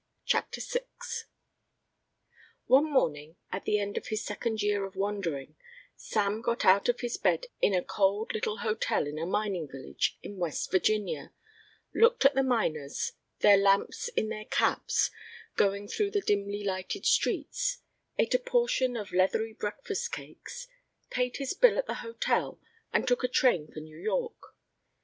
CHAPTER VI One morning, at the end of his second year of wandering, Sam got out of his bed in a cold little hotel in a mining village in West Virginia, looked at the miners, their lamps in their caps, going through the dimly lighted streets, ate a portion of leathery breakfast cakes, paid his bill at the hotel, and took a train for New York.